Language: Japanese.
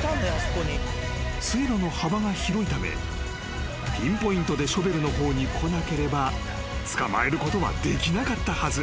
［水路の幅が広いためピンポイントでショベルの方に来なければつかまえることはできなかったはず］